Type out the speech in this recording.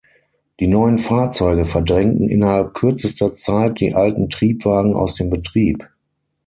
Die neuen Fahrzeuge verdrängten innerhalb kürzester Zeit die alten Triebwagen aus dem Betrieb.